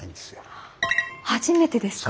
初めてですか。